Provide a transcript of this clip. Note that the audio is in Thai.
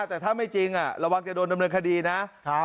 แต่ถ้าไม่จริงระวังจะโดนดำเนินคดีนะ